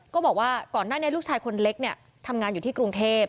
ก็บอกว่าก่อนหน้านี้ลูกชายคนเล็กเนี่ยทำงานอยู่ที่กรุงเทพ